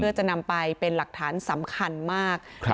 เพื่อจะนำไปเป็นหลักฐานสำคัญมาก